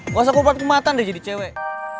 gak usah kupat kumatan udah jadi cewek